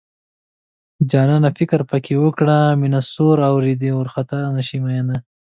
جانانه فکر پکې وکړه مينه سور اور دی وارخطا نشې مينه